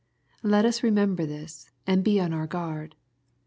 Let us remember this, and be on our guard.